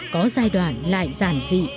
có giai đoạn lại giản dị